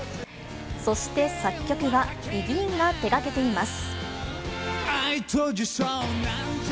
そして、作曲はＢＥＧＩＮが手がけています。